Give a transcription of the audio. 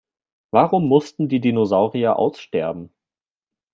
Warum mussten die Dinosaurier aussterben?